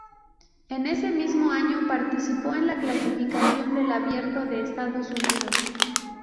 En ese mismo año participó en la clasificación del Abierto de Estados Unidos.